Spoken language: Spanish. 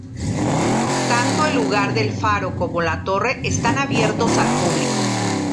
Tanto el lugar del faro como la torre están abiertos al público.